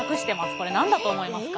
これ何だと思いますか？